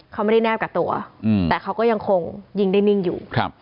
เขาไม่ได้แนบกับตัวอืมแต่เขาก็ยังคงยิงได้นิ่งอยู่ครับ